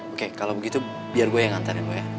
oke kalau begitu biar gue yang nganterin lu ya